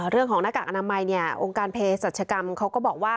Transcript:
เรื่องของหน้ากากอนามัยองค์การเพรียสัชกรรมเขาก็บอกว่า